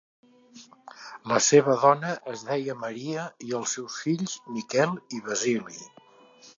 La seva dona es deia Maria i els seus fills Miquel i Basili.